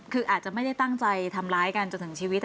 คืออาจจะไม่ได้ตั้งใจทำร้ายกันจนถึงชีวิต